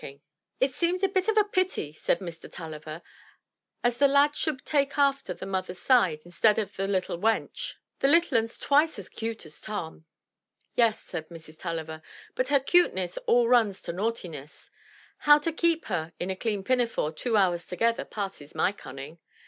♦Arranged from The Mill on the Floss. 213 MY BOOK HOUSE " It seems a bit of a pity," said Mr. TuUiver, "as the lad should take after the mother's side instead o' the little wench. The little un*s twice as cute as Tom.'' "Yes," said Mrs. Tulliver, "but her cuteness all runs to naughtiness. How to keep her in a clean pinafore two hours together passes my cunning.